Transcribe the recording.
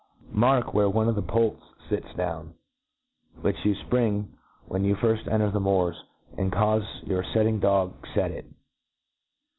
Mark where one of the poults fits down, which you fpring when you firft enter the 'moors, and caufe your fetting dog fet it.